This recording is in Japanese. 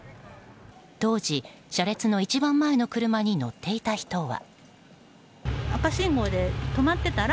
当時、車列の一番前の車に乗っていた人は。